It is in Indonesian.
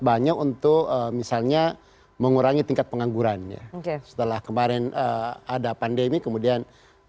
banyak untuk misalnya mengurangi tingkat pengangguran ya oke setelah kemarin ada pandemi kemudian